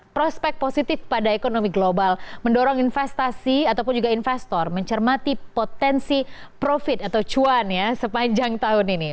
prospek positif pada ekonomi global mendorong investasi ataupun juga investor mencermati potensi profit atau cuan ya sepanjang tahun ini